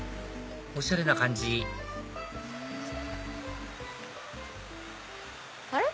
おしゃれな感じあれ？